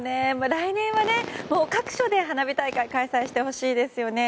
来年は各所で花火大会開催してほしいですよね。